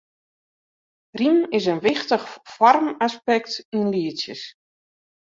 Rym is in wichtich foarmaspekt yn lietsjes.